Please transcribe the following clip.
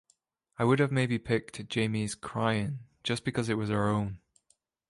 I would have maybe picked Jamie's Cryin, just because it was our own.